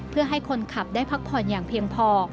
เพื่อให้คนขับได้พักผ่อนอย่างเพียงพอ